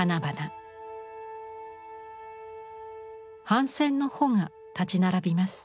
帆船の帆が立ち並びます。